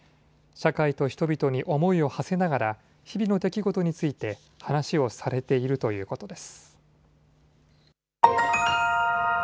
社会と人々に思いをはせながら日々の出来事について話をされているということです。